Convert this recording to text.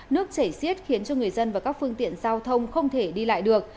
nước chảy xiết khiến cho người dân và các phương tiện giao thông không thể đi lại được